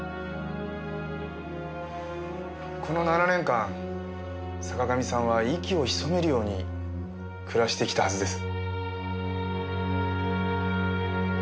この７年間坂上さんは息を潜めるように暮らしてきたはずです。